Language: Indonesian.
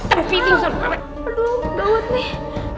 aduh gaut nih